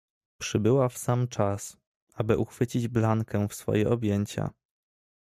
"Przybyła w sam czas, aby uchwycić Blankę w swoje objęcia."